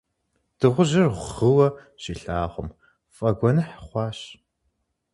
Дыгъужьыр гъыуэ щилъагъум, фӏэгуэныхь хъуащ.